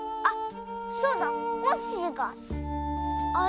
あっそうだ。